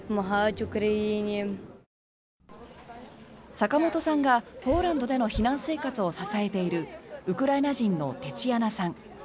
坂本さんが、ポーランドでの避難生活を支えているウクライナ人のテチアナさん。